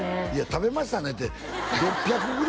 「食べましたね」って６００グラムやで？